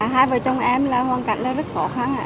hai vợ chồng em là hoàn cảnh là rất khó khăn